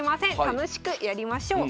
楽しくやりましょう。